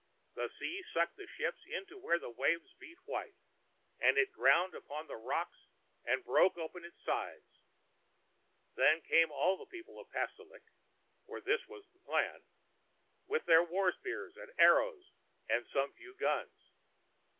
The sea sucked the ship in to where the waves beat white, and it ground upon the rocks and broke open its sides. Then came all the people of Pastolik, (for this was the plan), with their war spears, and arrows, and some few guns.